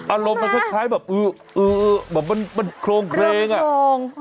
อารมณ์มันคล้ายแบบมันโครงเคร้ง